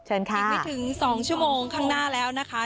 อีกไม่ถึง๒ชั่วโมงข้างหน้าแล้วนะคะ